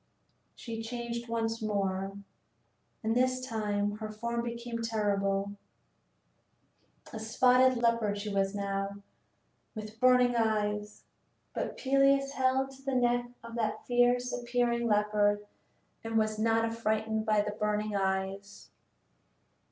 She changed once more, and this time her form became terrible: a spotted leopard she was now, with burning eyes; but Peleus held to the neck of the fierce appearing leopard and was not affrighted by the burning eyes.